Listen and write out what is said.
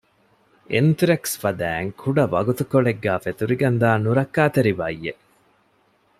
އެންތުރެކްސް ފަދައިން ކުޑަ ވަގުތުކޮޅެއްގައި ފެތުރިގެންދާ ނުރައްކާތެރި ބައްޔެއް